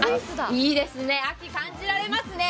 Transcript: いいですね、秋感じられますね。